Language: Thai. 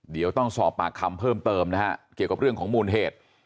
เดี๋ยวต้องสอบปากคำเพิ่มเติมนะฮะเกี่ยวกับเรื่องของมูลเหตุ